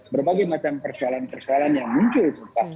berbagai macam persoalan persoalan yang muncul